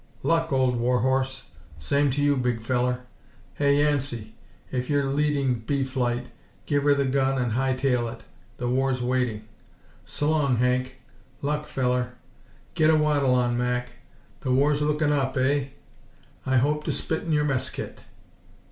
"Luck, old war horse." "Same to you, big feller." "Hey, Yancey! If you're leading B Flight, give her the gun and high tail it. The war's waiting!" "S'long, Hank. Luck, feller." "Get a waddle on, Mac. The war's lookin' up, eh?" "I hope to spit in your mess kit."